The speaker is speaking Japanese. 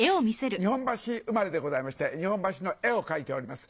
日本橋生まれでございまして日本橋の絵を描いております。